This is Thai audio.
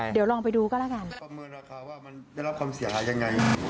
เดี๋ยวลองไปดูก็แล้วกัน